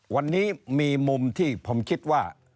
วันนี้มีมุมที่ผมคิดว่า